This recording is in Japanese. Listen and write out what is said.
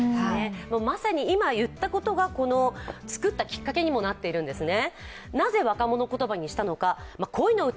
まさに今、いったことがこの作ったきっかけにもなっているんですね。